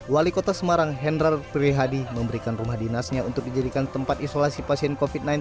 wali kota semarang henrar prihadi memberikan rumah dinasnya untuk dijadikan tempat isolasi pasien covid sembilan belas